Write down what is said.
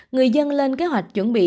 người dân lên kế hoạch chuẩn bị